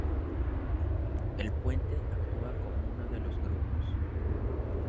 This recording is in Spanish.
El puente actúa como uno de los grupos.